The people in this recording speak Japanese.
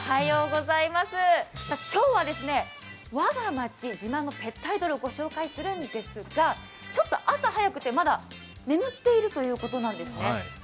今日は「我が町自慢のペットアイドル」をご紹介するんですが朝早くて、まだ眠っているということなんですね。